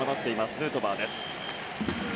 ヌートバーです。